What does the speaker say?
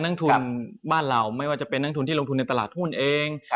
นักทุนบ้านเราไม่ว่าจะเป็นนักทุนที่ลงทุนในตลาดหุ้นเอง